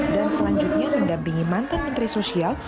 dan selanjutnya mendabingi mantan menteri sosial